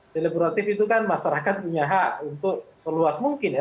deliberatif itu kan masyarakat punya hak untuk seluas mungkin ya